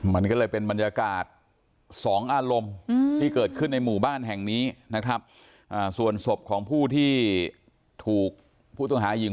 มันก็เลยเป็นบรรยากาศสองอารมณ์ที่เกิดขึ้นในหมู่บ้านแห่งนี้นะครับส่วนศพของผู้ที่ถูกผู้ต้องหายิง